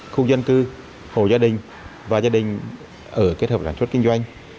khu dân cư hồ gia đình và gia đình ở kết hợp sản xuất kinh doanh